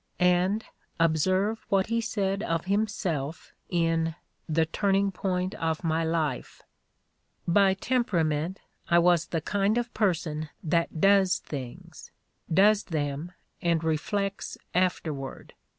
And observe what he said of himself in "The Turning Point of My Life": "By temperament I was the kind of person that does things. Does them and reflects afterward.